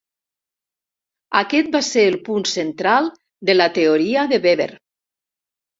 Aquest va ser el punt central de la teoria de Weber.